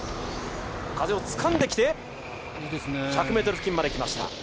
風をつかんできて１００ｍ付近まで来ました。